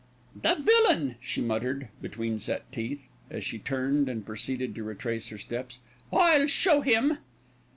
"The villain!" she muttered between set teeth, as she turned and proceeded to retrace her steps. "I'll show him."